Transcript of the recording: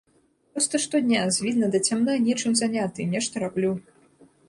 Проста штодня з відна да цямна нечым заняты, нешта раблю.